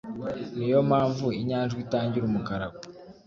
ni yo mpamvuinyajwiitangira umukarago